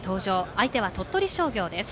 相手は鳥取商業です。